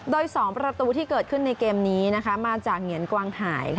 โดย๒ประตูที่เกิดขึ้นในเกมนี้มาจากเหงียนกวางหาย